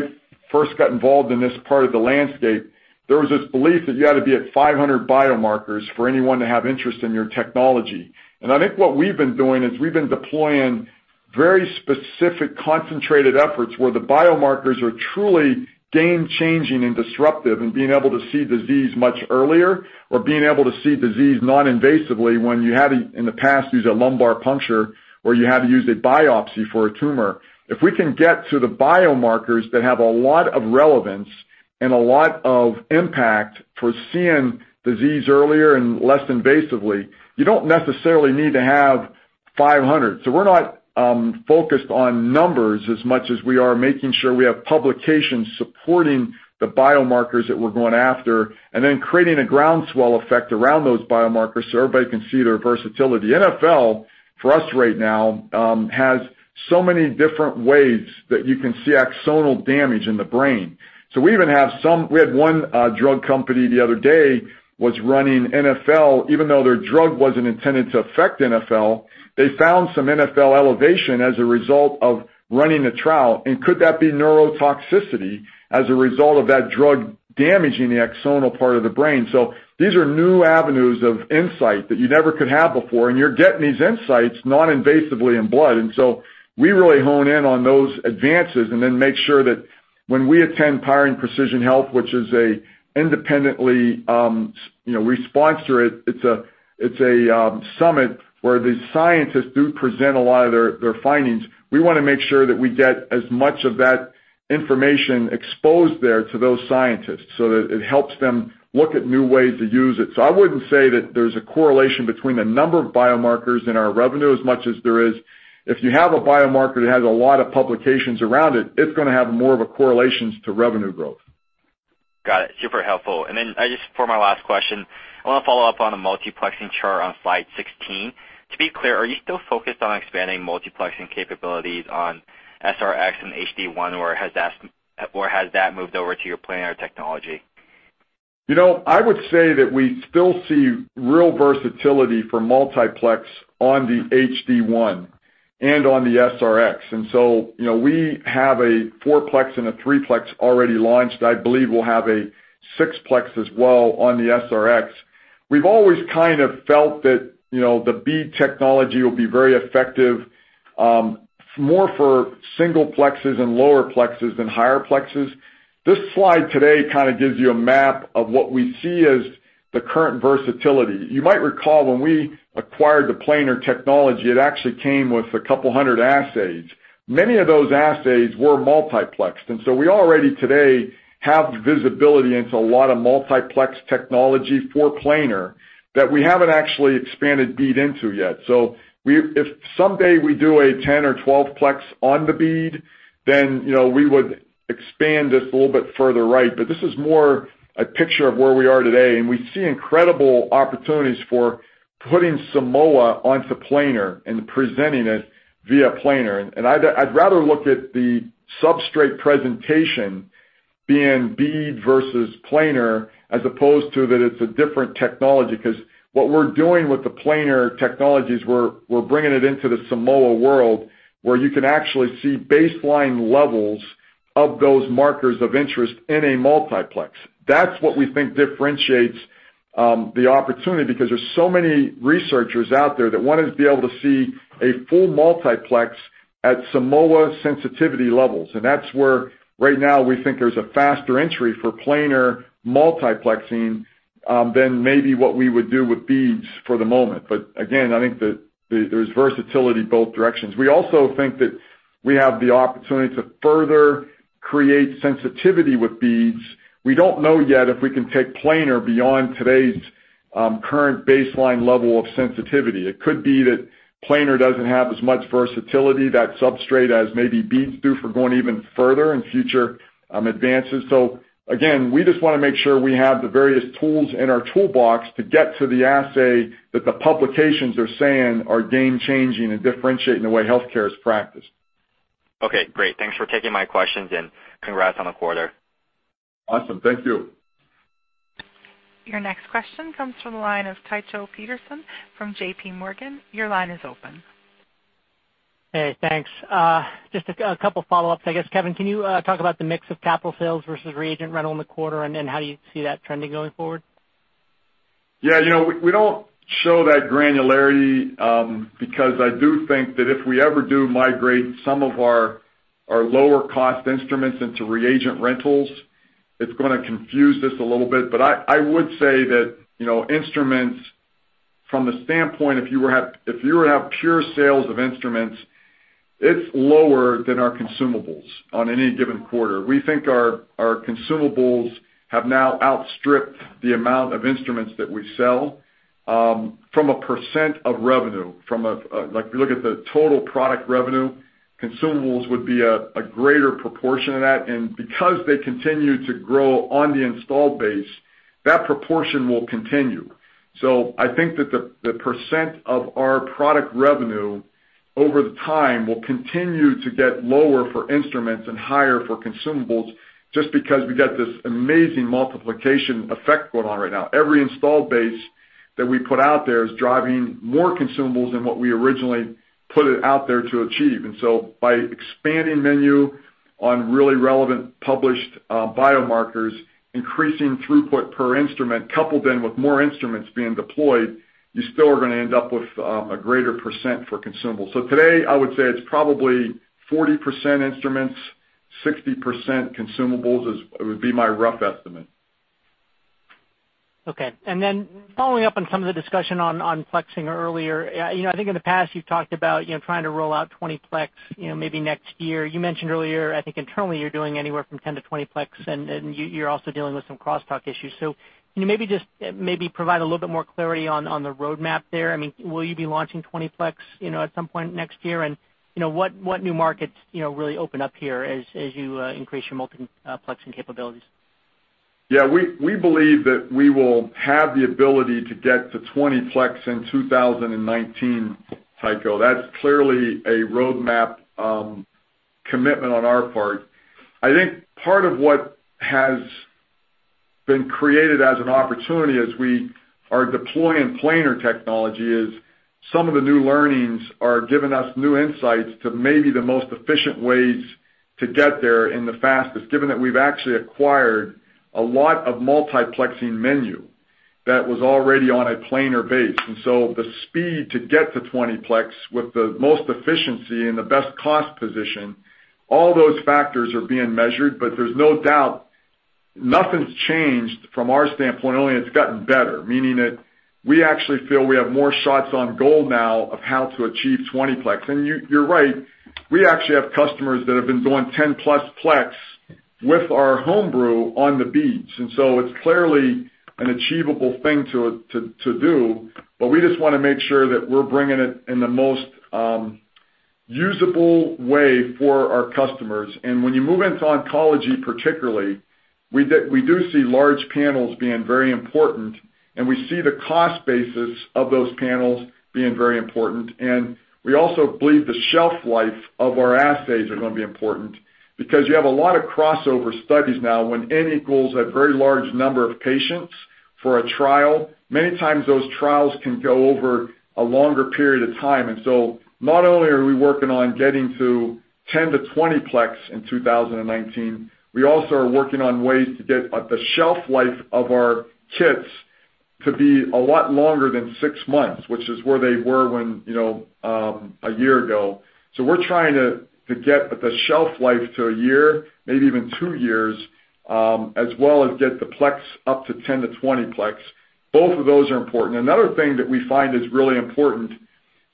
first got involved in this part of the landscape. There was this belief that you had to be at 500 biomarkers for anyone to have interest in your technology. I think what we've been doing is we've been deploying very specific, concentrated efforts where the biomarkers are truly game-changing and disruptive and being able to see disease much earlier or being able to see disease noninvasively when you had, in the past, use a lumbar puncture, or you had to use a biopsy for a tumor. If we can get to the biomarkers that have a lot of relevance and a lot of impact for seeing disease earlier and less invasively, you don't necessarily need to have 500. We're not focused on numbers as much as we are making sure we have publications supporting the biomarkers that we're going after, and then creating a groundswell effect around those biomarkers so everybody can see their versatility. NfL, for us right now, has so many different ways that you can see axonal damage in the brain. We had one drug company the other day was running NfL. Even though their drug wasn't intended to affect NfL, they found some NfL elevation as a result of running a trial. Could that be neurotoxicity as a result of that drug damaging the axonal part of the brain? These are new avenues of insight that you never could have before, and you're getting these insights noninvasively in blood. We really hone in on those advances and then make sure that when we attend Powering Precision Health, we sponsor it. It's a summit where the scientists do present a lot of their findings. We want to make sure that we get as much of that information exposed there to those scientists so that it helps them look at new ways to use it. I wouldn't say that there's a correlation between the number of biomarkers in our revenue as much as there is, if you have a biomarker that has a lot of publications around it's going to have more of a correlations to revenue growth. Got it. Super helpful. Just for my last question, I want to follow up on a multiplexing chart on slide 16. To be clear, are you still focused on expanding multiplexing capabilities on SR-X and HD1, or has that moved over to your planar technology? I would say that we still see real versatility for multiplex on the HD-1 and on the SR-X. We have a 4-plex and a 3-plex already launched. I believe we'll have a 6-plex as well on the SR-X. We've always kind of felt that the bead technology will be very effective more for single plexes and lower plexes than higher plexes. This slide today kind of gives you a map of what we see as the current versatility. You might recall when we acquired the planar technology, it actually came with a couple of hundred assays. Many of those assays were multiplexed. We already today have visibility into a lot of multiplex technology for planar that we haven't actually expanded bead into yet. If someday we do a 10 or 12-plex on the bead, we would expand this a little bit further right. This is more a picture of where we are today, and we see incredible opportunities for putting Simoa onto planar and presenting it via planar. I'd rather look at the substrate presentation being bead versus planar, as opposed to that it's a different technology. What we're doing with the planar technologies, we're bringing it into the Simoa world where you can actually see baseline levels of those markers of interest in a multiplex. That's what we think differentiates the opportunity, because there's so many researchers out there that want to be able to see a full multiplex at Simoa sensitivity levels. That's where right now we think there's a faster entry for planar multiplexing than maybe what we would do with beads for the moment. Again, I think that there's versatility both directions. We also think that we have the opportunity to further create sensitivity with beads. We don't know yet if we can take planar beyond today's current baseline level of sensitivity. It could be that planar doesn't have as much versatility, that substrate as maybe beads do for going even further in future advances. Again, we just want to make sure we have the various tools in our toolbox to get to the assay that the publications are saying are game changing and differentiating the way healthcare is practiced. Okay, great. Thanks for taking my questions and congrats on the quarter. Awesome. Thank you. Your next question comes from the line of Tycho Peterson from J.P. Morgan. Your line is open. Hey, thanks. Just a couple of follow-ups, I guess, Kevin. Can you talk about the mix of capital sales versus reagent rental in the quarter, how do you see that trending going forward? Yeah, we don't show that granularity, because I do think that if we ever do migrate some of our lower-cost instruments into reagent rentals, it's going to confuse this a little bit. I would say that instruments from the standpoint, if you were to have pure sales of instruments, it's lower than our consumables on any given quarter. We think our consumables have now outstripped the amount of instruments that we sell from a % of revenue. If you look at the total product revenue, consumables would be a greater proportion of that. Because they continue to grow on the installed base, that proportion will continue. I think that the % of our product revenue Over the time, we'll continue to get lower for instruments and higher for consumables just because we got this amazing multiplication effect going on right now. Every install base that we put out there is driving more consumables than what we originally put it out there to achieve. By expanding menu on really relevant published biomarkers, increasing throughput per instrument, coupled in with more instruments being deployed, you still are going to end up with a greater % for consumables. Today, I would say it's probably 40% instruments, 60% consumables, would be my rough estimate. Okay. Following up on some of the discussion on plexing earlier. I think in the past you've talked about trying to roll out 20-plex maybe next year. You mentioned earlier, I think internally, you're doing anywhere from 10-plex to 20-plex, and you're also dealing with some crosstalk issues. Can you maybe provide a little bit more clarity on the roadmap there? Will you be launching 20-plex at some point next year? What new markets really open up here as you increase your multiplexing capabilities? Yeah. We believe that we will have the ability to get to 20-plex in 2019, Tycho. That's clearly a roadmap commitment on our part. I think part of what has been created as an opportunity as we are deploying planar technology is some of the new learnings are giving us new insights to maybe the most efficient ways to get there in the fastest, given that we've actually acquired a lot of multiplexing menu that was already on a planar base. The speed to get to 20-plex with the most efficiency and the best cost position, all those factors are being measured. There's no doubt nothing's changed from our standpoint. Only it's gotten better, meaning that we actually feel we have more shots on goal now of how to achieve 20-plex. You're right, we actually have customers that have been doing 10-plus-plex with our Homebrew on the beads, it's clearly an achievable thing to do, we just want to make sure that we're bringing it in the most usable way for our customers. When you move into oncology, particularly, we do see large panels being very important, we see the cost basis of those panels being very important. We also believe the shelf life of our assays are going to be important because you have a lot of crossover studies now when N equals a very large number of patients for a trial. Many times those trials can go over a longer period of time. Not only are we working on getting to 10 to 20 plex in 2019, we also are working on ways to get the shelf life of our kits to be a lot longer than six months, which is where they were a year ago. We're trying to get the shelf life to a year, maybe even two years, as well as get the plex up to 10 to 20 plex. Both of those are important. Another thing that we find is really important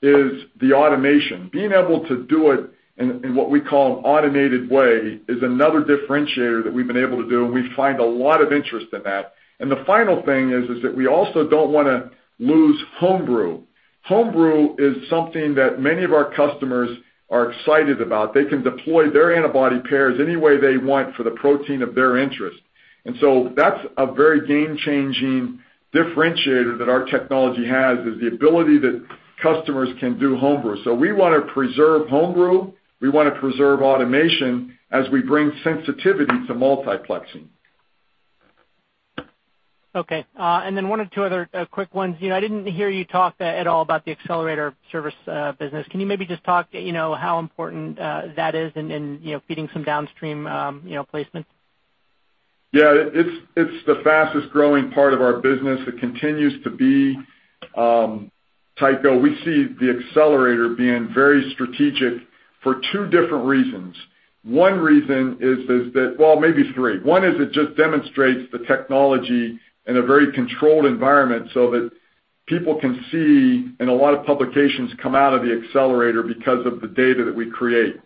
is the automation. Being able to do it in what we call an automated way is another differentiator that we've been able to do, and we find a lot of interest in that. The final thing is that we also don't want to lose Homebrew. Homebrew is something that many of our customers are excited about. They can deploy their antibody pairs any way they want for the protein of their interest. That's a very game-changing differentiator that our technology has, is the ability that customers can do Homebrew. We want to preserve Homebrew, we want to preserve automation as we bring sensitivity to multiplexing. Okay. One or two other quick ones. I didn't hear you talk at all about the Accelerator service business. Can you maybe just talk how important that is in feeding some downstream placement? Yeah, it's the fastest-growing part of our business. It continues to be, Tycho. We see the Accelerator being very strategic for two different reasons. One reason is that Well, maybe it's three. One is it just demonstrates the technology in a very controlled environment so that people can see, and a lot of publications come out of the Accelerator because of the data that we create.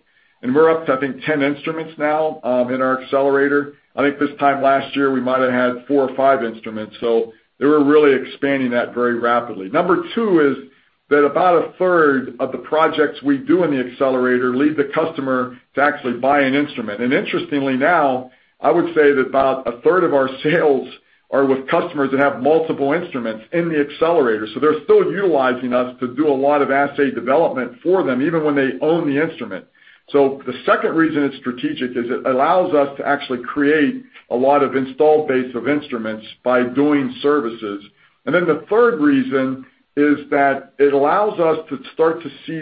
We're up to, I think, 10 instruments now in our Accelerator. I think this time last year, we might have had four or five instruments. They were really expanding that very rapidly. Number two is that about a third of the projects we do in the Accelerator lead the customer to actually buy an instrument. Interestingly now, I would say that about a third of our sales are with customers that have multiple instruments in the Accelerator. They're still utilizing us to do a lot of assay development for them, even when they own the instrument. The second reason it's strategic is it allows us to actually create a lot of installed base of instruments by doing services. The third reason is that it allows us to start to see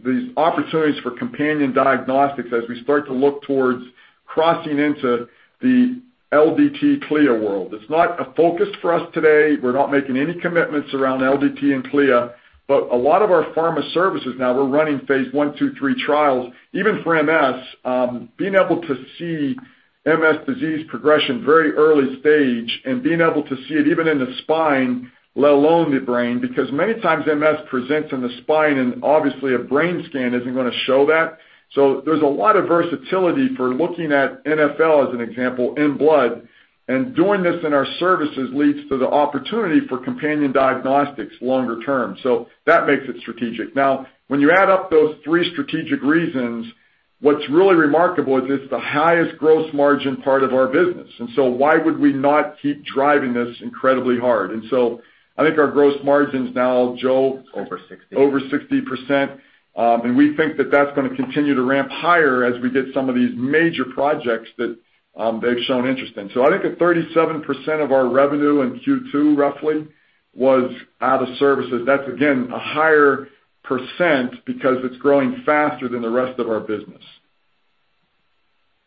these opportunities for companion diagnostics as we start to look towards crossing into the LDT CLIA world. It's not a focus for us today. We're not making any commitments around LDT and CLIA, but a lot of our pharma services now, we're running phase I, II, III trials, even for MS. Being able to see MS disease progression very early stage and being able to see it even in the spine, let alone the brain, because many times MS presents in the spine and obviously a brain scan isn't going to show that. There's a lot of versatility for looking at NfL, as an example, in blood, and doing this in our services leads to the opportunity for companion diagnostics longer term. That makes it strategic. When you add up those three strategic reasons. What's really remarkable is it's the highest gross margin part of our business, why would we not keep driving this incredibly hard? I think our gross margin's now, Joe, Over 60%. Over 60%, and we think that that's going to continue to ramp higher as we get some of these major projects that they've shown interest in. I think at 37% of our revenue in Q2, roughly, was out of services. That's, again, a higher percent because it's growing faster than the rest of our business.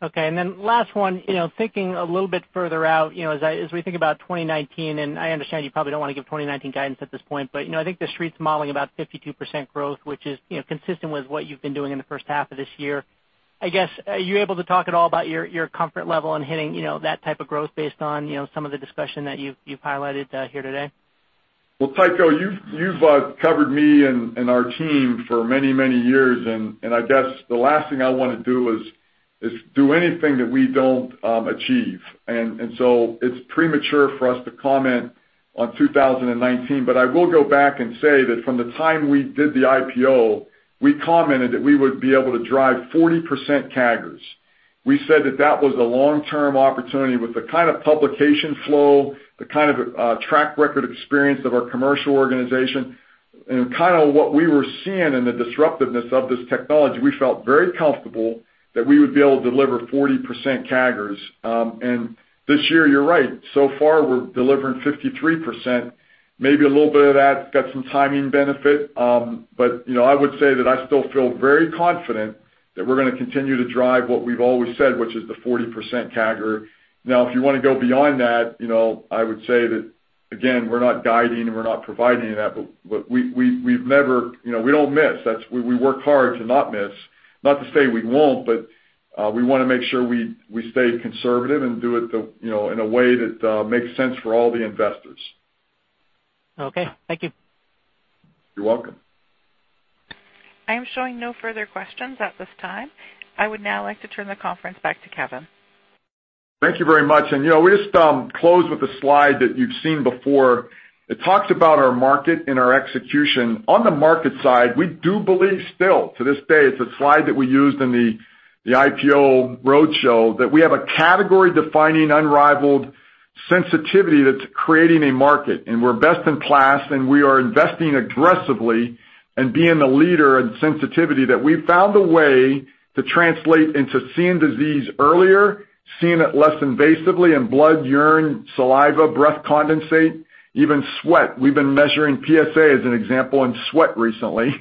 Okay. Last one, you know, thinking a little bit further out, you know, as I, as we think about 2019, and I understand you probably don't wanna give 2019 guidance at this point, but, you know, I think the Street's modeling about 52% growth, which is, you know, consistent with what you've been doing in the first half of this year. I guess, are you able to talk at all about your comfort level in hitting, you know, that type of growth based on, you know, some of the discussion that you've highlighted here today? Well, Tycho, you've covered me and our team for many, many years and I guess the last thing I wanna do is do anything that we don't achieve. It's premature for us to comment on 2019, but I will go back and say that from the time we did the IPO, we commented that we would be able to drive 40% CAGRs. We said that that was the long-term opportunity with the kind of publication flow, the kind of track record experience of our commercial organization, and kind of what we were seeing in the disruptiveness of this technology. We felt very comfortable that we would be able to deliver 40% CAGRs. This year, you're right. So far, we're delivering 53%, maybe a little bit of that got some timing benefit. But, you know, I would say that I still feel very confident that we're gonna continue to drive what we've always said, which is the 40% CAGR. Now, if you wanna go beyond that, you know, I would say that, again, we're not guiding and we're not providing that, but we've never, you know, we don't miss. We work hard to not miss. Not to say we won't, but we wanna make sure we stay conservative and do it the, you know, in a way that makes sense for all the investors. Okay. Thank you. You're welcome. I am showing no further questions at this time. I would now like to turn the conference back to Kevin. Thank you very much. You know, we just close with a slide that you've seen before. It talks about our market and our execution. On the market side, we do believe still to this day, it's a slide that we used in the IPO roadshow, that we have a category-defining, unrivaled sensitivity that's creating a market. We're best in class and we are investing aggressively in being the leader in sensitivity that we've found a way to translate into seeing disease earlier, seeing it less invasively in blood, urine, saliva, breath condensate, even sweat. We've been measuring PSA as an example in sweat recently.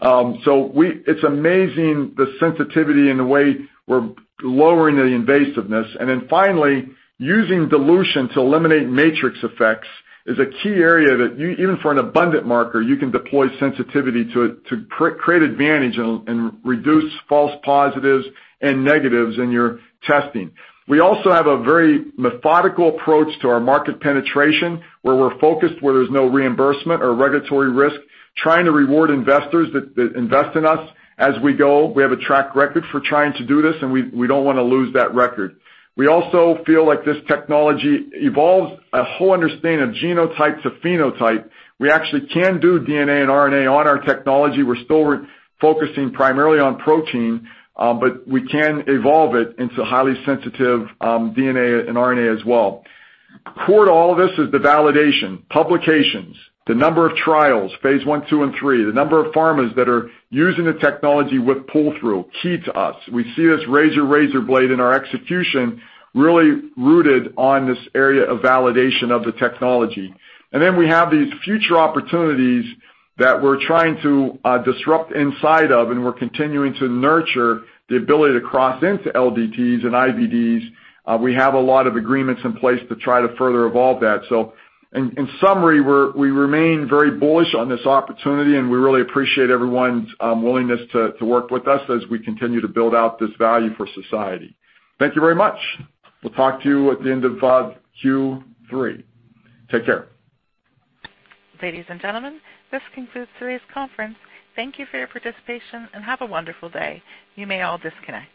It's amazing the sensitivity and the way we're lowering the invasiveness. Finally, using dilution to eliminate matrix effects is a key area that you, even for an abundant marker, you can deploy sensitivity to create advantage and reduce false positives and negatives in your testing. We also have a very methodical approach to our market penetration, where we're focused where there's no reimbursement or regulatory risk, trying to reward investors that invest in us as we go. We have a track record for trying to do this. We don't wanna lose that record. We also feel like this technology evolves a whole understanding of genotype to phenotype. We actually can do DNA and RNA on our technology. We're still focusing primarily on protein, but we can evolve it into highly sensitive DNA and RNA as well. Core to all of this is the validation, publications, the number of trials, phase I, II, and III, the number of pharmas that are using the technology with pull-through, key to us. We see this razor blade in our execution really rooted on this area of validation of the technology. Then we have these future opportunities that we're trying to disrupt inside of and we're continuing to nurture the ability to cross into LDTs and IVDs. We have a lot of agreements in place to try to further evolve that. In summary, we remain very bullish on this opportunity, and we really appreciate everyone's willingness to work with us as we continue to build out this value for society. Thank you very much. We'll talk to you at the end of Q3. Take care. Ladies and gentlemen, this concludes today's conference. Thank you for your participation, and have a wonderful day. You may all disconnect.